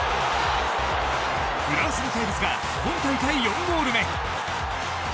フランスの怪物が今大会４ゴール目。